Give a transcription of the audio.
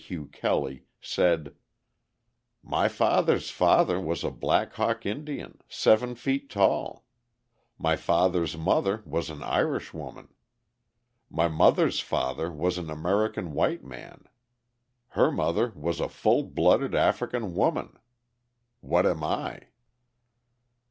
Hugh Kelley, said: "My father's father was a Black Hawk Indian, seven feet tall. My father's mother was an Irishwoman. My mother's father was an American white man. Her mother was a full blooded African woman. What am I?"